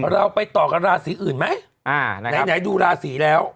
เราไปต่อกันราศีอื่นไหมไหนดูราศีแล้ว